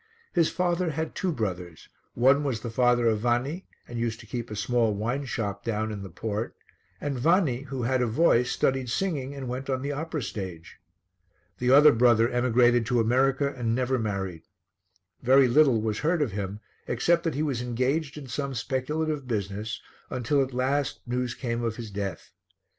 His father had two brothers, one was the father of Vanni and used to keep a small wine shop down in the port and Vanni, who had a voice, studied singing and went on the opera stage. The other brother emigrated to America and never married. Very little was heard of him, except that he was engaged in some speculative business, until at last news came of his death.